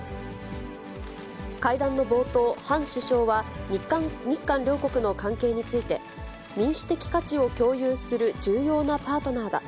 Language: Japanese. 会談の冒頭、ハン首相は、日韓両国の関係について、民主的価値を共有する重要なパートナーだ。